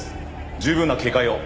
十分な警戒を。